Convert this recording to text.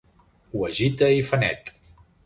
Ho agita i fa net.